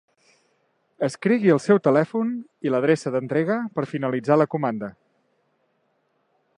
Escrigui el seu telèfon i l'adreça d'entrega per finalitzar la comanda.